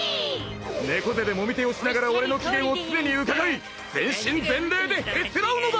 猫背でもみ手をしながら俺の機嫌を常にうかがい歓帆肝遒へつらうのだ！